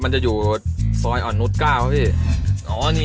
มันจะอยู่ซอยอ่อนนุด๙เหรอพี่